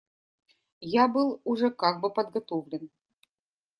Я был уже как бы подготовлен.